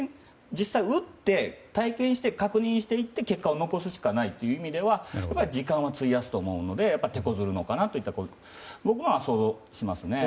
実際に打って体験して確認していって結果を残すしかないという意味では時間は費やすと思うので手こずるのかなと僕はそう考えますね。